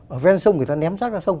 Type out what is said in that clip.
ở ven sông người ta ném rác ra sông